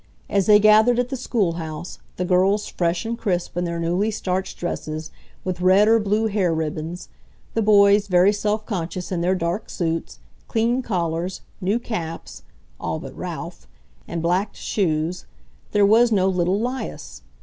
As they gathered at the schoolhouse, the girls fresh and crisp in their newly starched dresses, with red or blue hair ribbons, the boys very self conscious in their dark suits, clean collars, new caps (all but Ralph), and blacked shoes, there was no little 'Lias.